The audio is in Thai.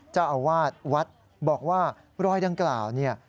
เจ้าอาวาสวัดบอกว่ารอยดังกล่าวเนี่ย